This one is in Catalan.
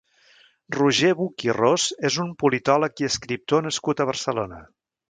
Roger Buch i Ros és un politòleg i escriptor nascut a Barcelona.